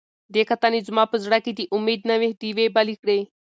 دې کتنې زما په زړه کې د امید نوې ډیوې بلې کړې.